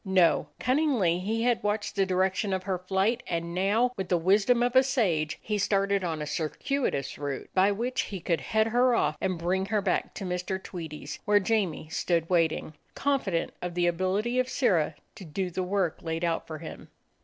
No; cunningly he had watched the direction of her flight, and now, with the wisdom of a sage, he started on 78 A DOG OF THE ETTRICK HILLS a circuitous route, by which he could head her off and bring her back to Mr. Tweedie's, where Jamie stood waiting, confident of the ability of Sirrah to do the work laid out for him.